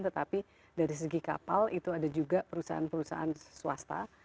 tetapi dari segi kapal itu ada juga perusahaan perusahaan swasta